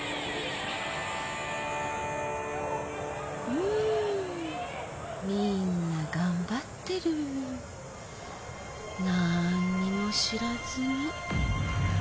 うんみんな頑張ってる何にも知らずに。